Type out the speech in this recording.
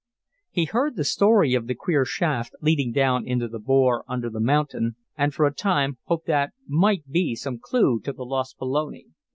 He heard the story of the queer shaft leading down into the bore under the mountain, and, for a time, hoped that might be some clue to the lost Pelone.